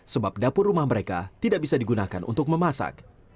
sebab dapur rumah mereka tidak bisa digunakan untuk memasak